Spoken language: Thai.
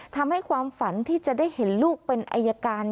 ทำให้ความฝันที่จะได้เห็นลูกเป็นอายการ